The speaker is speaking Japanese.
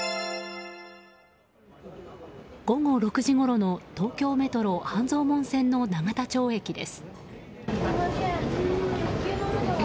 午後６時ごろの東京メトロ半蔵門線の永田町駅です。